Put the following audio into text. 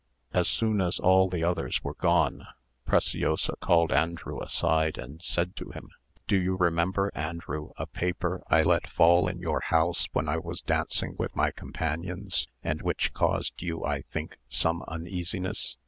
As soon as all the others were gone, Preciosa called Andrew aside, and said to him, "Do you remember, Andrew, a paper I let fall in your house, when I was dancing with my companions, and which caused you, I think, some uneasiness?"